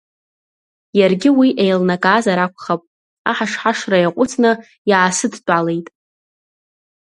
Иаргьы уи еилнакаазар акәхап, аҳаш-ҳашра иаҟәыҵны, иаасыдтәалеит.